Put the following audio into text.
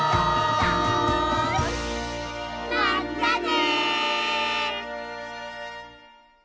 まったね！